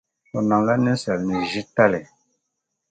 O namla ninsala ni ʒitalli.